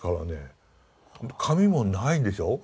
紙もないでしょ。